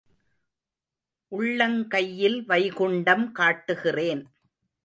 உள்ளங்கையில் வைகுண்டம் காட்டுகிறேன்.